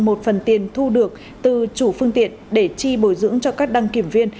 một phần tiền thu được từ chủ phương tiện để chi bồi dưỡng cho các đăng kiểm viên